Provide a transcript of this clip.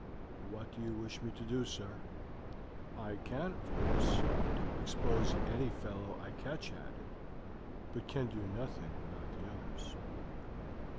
What do you wish me to do, sir? I can, of course, expose any fellow I catch at it, but can do nothing about the others."